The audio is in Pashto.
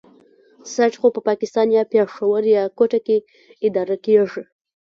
سایټ خو په پاکستان په پېښور يا کوټه کې اداره کېږي.